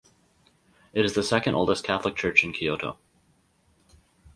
It is the second oldest Catholic Church in Kyoto.